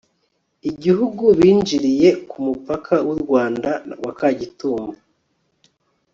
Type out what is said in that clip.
igihugu binjiriye ku mupaka w'u rwanda wa kagitumba